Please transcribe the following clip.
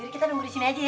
kita nunggu di sini aja ya